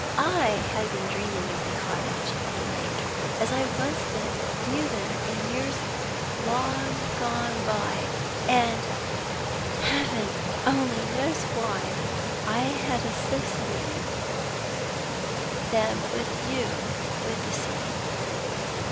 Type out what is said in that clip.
I had been dreaming of the cottage and the lake, as I once knew them in years long gone by; and Heaven only knows why I had associated you with the scene.